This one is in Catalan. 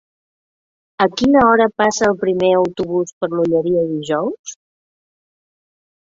A quina hora passa el primer autobús per l'Olleria dijous?